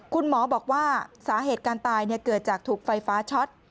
คุณหมอบอกว่าสาเหตุการตายเกิดจากถูกไฟฟ้าช็อต